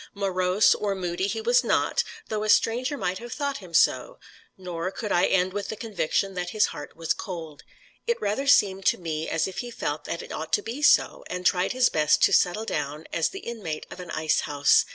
Morose or moody he was not, though a stranger might have thought him so; nor could I end with the conviction that his heart was cold. It rather seemed to me as if he felt that it ought to be so, and tried his best to settle down as the inmate of an icehouse.